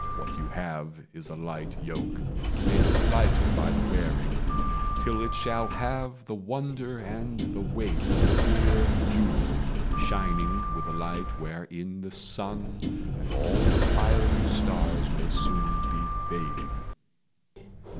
What you have Is a light yoke, made lighter by the wearing, Till it shall have the wonder and the weight Of a clear jewel, shining with a light Wherein the sun and all the fiery stars May soon be fading.